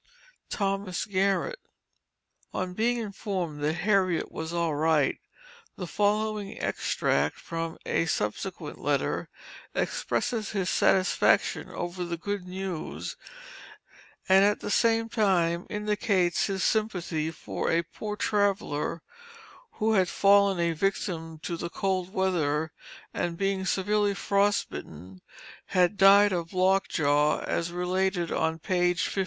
THOMAS GARRETT. On being informed that Harriet was "all right," the following extract from a subsequent letter, expresses his satisfaction over the good news, and at the same time, indicates his sympathy for a "poor traveler," who had fallen a victim to the cold weather, and being severely frost bitten, had died of lock jaw, as related on page 52.